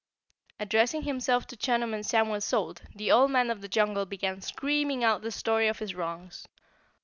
Addressing himself to Chunum and Samuel Salt, the Old Man of the Jungle began screaming out the story of his wrongs.